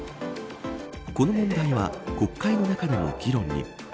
この問題は国会の中でも議論に。